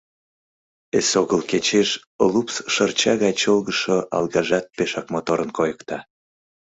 Эсогыл кечеш лупс шырча гай чолгыжшо алгажат пешак моторын койыкта.